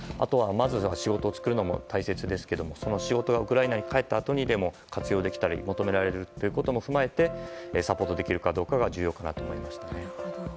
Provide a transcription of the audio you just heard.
まず仕事を作るのも大事ですがウクライナに帰ったあとでもその仕事が活用できたり求められることも踏まえてサポートできるかどうかが重要かと思いました。